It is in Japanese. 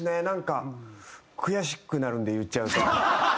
なんか悔しくなるんで言っちゃうと。